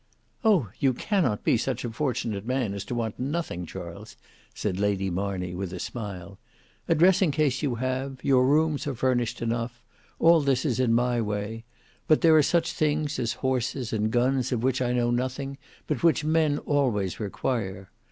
"Oh! you cannot be such a fortunate man as to want nothing, Charles," said Lady Marney with a smile. "A dressing case you have: your rooms are furnished enough: all this is in my way; but there are such things as horses and guns of which I know nothing, but which men always require.